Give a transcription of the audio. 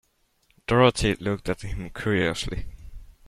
Dorothy looked at him curiously.